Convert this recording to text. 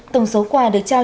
tổng số quà được trao